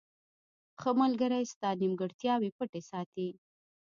• ښه ملګری ستا نیمګړتیاوې پټې ساتي.